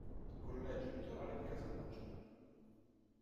Collegio elettorale di Casalmaggiore